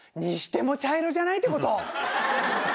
にしても茶色じゃない？って事。